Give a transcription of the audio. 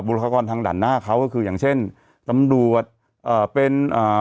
รากรทางด่านหน้าเขาก็คืออย่างเช่นตำรวจเอ่อเป็นอ่า